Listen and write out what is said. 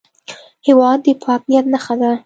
هېواد د پاک نیت نښه ده.